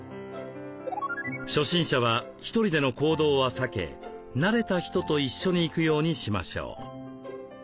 初心者は１人での行動は避け慣れた人と一緒に行くようにしましょう。